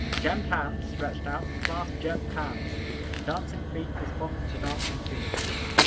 Gemmed hands, stretched out, clasp gemmed hands. Dancing feet respond to dancing feet.